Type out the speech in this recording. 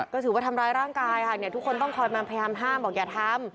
ก็ถือว่าทำร้ายร่างกายค่ะทุกคนต้องคอยมาพยายามห้ามบอกอย่าทำ